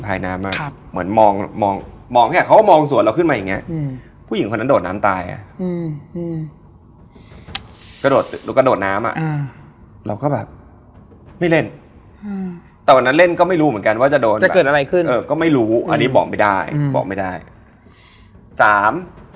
ถามเขาว่าอะไรยังไงเขาบอกมีเด็กตาม